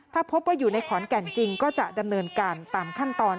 ถ้าพบว่าอยู่ในขอนแก่นจริงก็จะดำเนินการตามขั้นตอน